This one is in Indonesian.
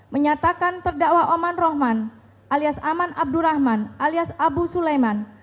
menyatakan terdakwa oman rohman alias aman abdurrahman alias abu sulaiman